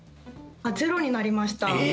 ゼロになりました。